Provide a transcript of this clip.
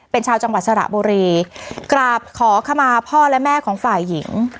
เป็นชาวจังหวัดสระบุรีกราบขอขมาพ่อและแม่ของฝ่ายหญิง